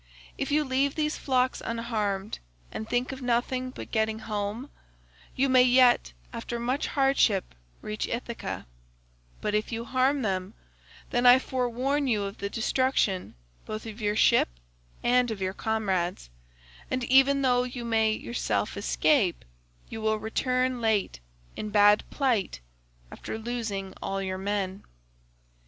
If you leave these flocks unharmed, and think of nothing but getting home, you may yet after much hardship reach Ithaca; but if you harm them, then I forewarn you of the destruction both of your ship and of your comrades; and even though you may yourself escape, you will return late, in bad plight, after losing all your men.